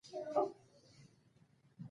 دوی د پخلی لپاره غټې او اوږدې څیمڅۍ لرلې.